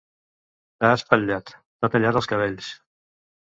T'ha "espatllat", t'ha tallat els cabells!